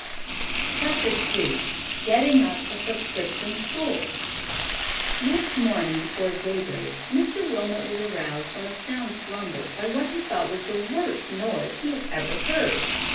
CHAPTER II GETTING UP A SUBSCRIPTION SCHOOL Next morning before daybreak Mr. Wilmot was aroused from a sound slumber by what he thought was the worst noise he had ever heard.